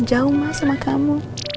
jauh mas sama kamu